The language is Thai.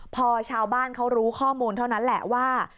พอชาวบ้านเขารู้ข้อมูลเท่านั้นแหละว่า